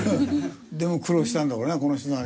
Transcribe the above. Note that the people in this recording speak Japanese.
でも苦労したんだろうね